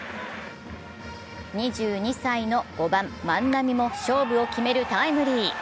２２歳の５番・万波も勝負を決めるタイムリー。